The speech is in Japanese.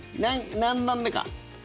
何番目か？